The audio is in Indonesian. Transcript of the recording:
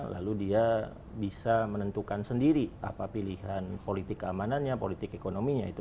lalu dia bisa menentukan sendiri apa pilihan politik keamanannya politik ekonominya itu